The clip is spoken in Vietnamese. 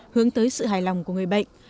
hướng tới sự hài lòng của người bệnh